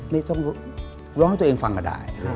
ไม่ต้องร้องให้ตัวเองฟังกระด่าย